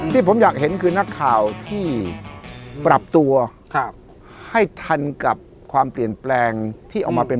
ที่ผมอยากเห็นคือนักข่าวที่ปรับตัวให้ทันกับความเปลี่ยนแปลงที่เอามาเป็น